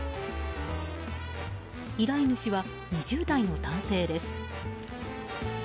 依頼主は、２０代の男性です。